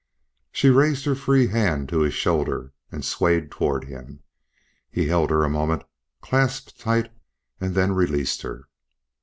She raised her free hand to his shoulder and swayed toward him. He held her a moment, clasped tight, and then released her.